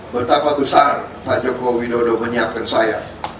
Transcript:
betapa besar pak joko widodo menyiapkan saya